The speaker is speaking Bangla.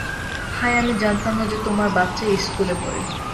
হাই আমি জানতাম না যে তোমার বাচ্চা এই স্কুলে পড়ে।